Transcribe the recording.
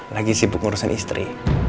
lagi sibuk ngurusin istri